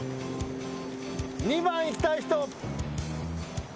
２番いきたい人。